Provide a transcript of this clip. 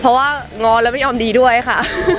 เพราะว่าง้อแล้วไม่ยอมดีด้วยค่ะ